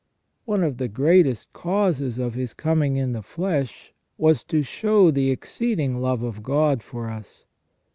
One of the greatest causes of His coming in the flesh was to show the exceeding love of God for us.